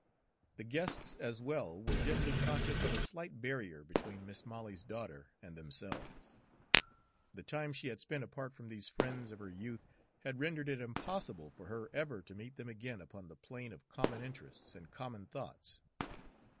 The guests as well were dimly conscious of a slight barrier between Mis' Molly's daughter and themselves. The time she had spent apart from these friends of her youth had rendered it impossible for her ever to meet them again upon the plane of common interests and common thoughts.